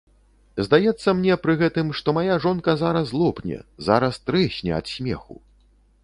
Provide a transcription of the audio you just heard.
Здаецца мне пры гэтым, што мая жонка зараз лопне, зараз трэсне ад смеху.